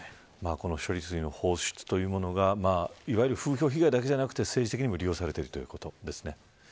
この処理水の放出というものがいわゆる風評被害だけでなくて政治的にも利用されているということですね。